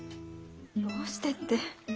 どうしてって。